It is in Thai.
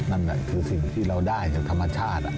นั่นคือสิ่งที่เราได้จากธรรมชาติ